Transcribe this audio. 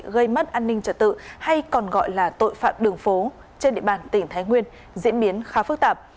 gây mất an ninh trật tự hay còn gọi là tội phạm đường phố trên địa bàn tỉnh thái nguyên diễn biến khá phức tạp